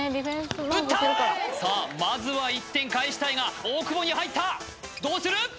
まずは１点返したいが大久保に入ったどうする？